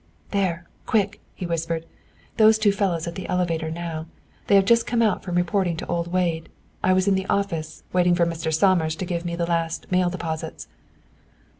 "There, quick," he whispered. "Those two fellows at the elevator, now. They have just come out from reporting to old Wade. I was in the office, waiting for Mr. Somers to give me the last mail deposits.